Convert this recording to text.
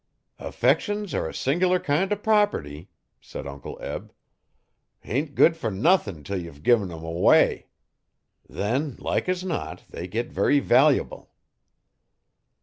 'Affections are a sing'lar kind o' prop'ty,' said Uncle Eb. 'Hain't good fer nuthin till ye've gin em away. Then, like as not, they git very valyble.